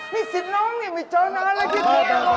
นี่สิน้องนี่มีเจ้าน้ำอะไรกี่เท่า